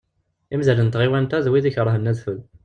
Imdanen n tɣiwant-a d wid ikerhen adfel.